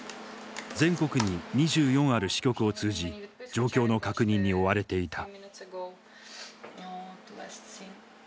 全国に２４ある支局を通じ状況の確認に追われていた。